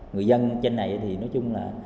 người dân trên này thì nói chung là